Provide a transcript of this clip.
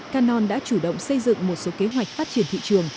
canon đã chủ động xây dựng một số kế hoạch phát triển thị trường